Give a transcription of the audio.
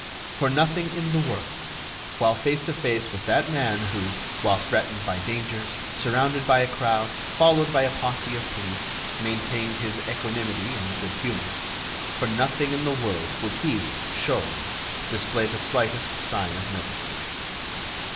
For nothing in the world, while face to face with that man who, while threatened by dangers, surrounded by a crowd, followed by a posse of police, maintained his equanimity and good humor, for nothing in the world would he, Sholmes, display the slightest sign of nervousness.